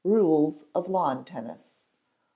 Rules of Lawn Tennis. i.